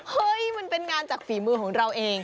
เฮ้ยมันเป็นงานจากฝีมือของเราเอง